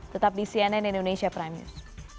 tetap di cnn indonesia prime news